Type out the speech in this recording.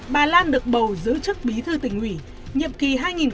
bà lan được bầu giữ chức bí thư tỉnh ủy nhiệm kỳ hai nghìn hai mươi hai nghìn hai mươi năm